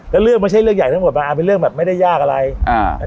แล้วเรื่องไม่ใช่เรื่องใหญ่ทั้งหมดบางอันเป็นเรื่องแบบไม่ได้ยากอะไรอ่า